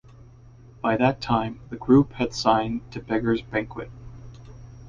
By that time, the group had signed to Beggars Banquet.